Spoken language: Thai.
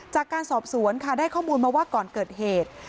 จากการสอบสวนค่ะได้ข้อมูลมาว่าก่อนเกิดเหตุ